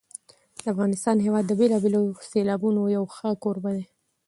د افغانستان هېواد د بېلابېلو سیلابونو یو ښه کوربه دی.